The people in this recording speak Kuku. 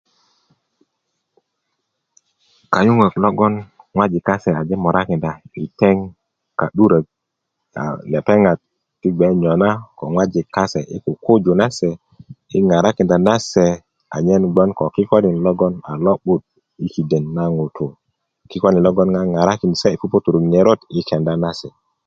kayuŋö logon ŋojik kase aje morakinda i teŋ na ka'durok ti bge nyona ko ŋojik kase i kukuju na nase i ŋarakinda nase anyen bgoŋ ko kiköliin logon a lo'but i kiden na ŋutu kikölin logon ŋaŋarakinda se i tu ŋerot i kenda nase